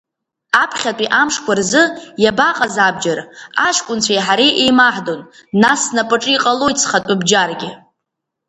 Аԥхьатәи амшқәа рзы иабаҟаз абџьар, аҷкәынцәеи ҳареи еимаҳдон, нас снапаҿы иҟалоит схатәы бџьаргьы.